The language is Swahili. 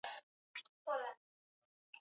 Uzalishaji wa maziwa hupungua